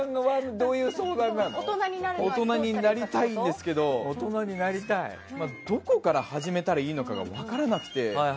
大人になりたいんですけどどこから始めたらいいのかが分からなくて。